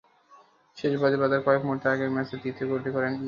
শেষ বাঁশি বাজার কয়েক মুহূর্ত আগে ম্যাচের তৃতীয় গোলটি করেন ইয়া তোরে।